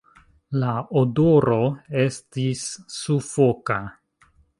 La odoro estis sufoka.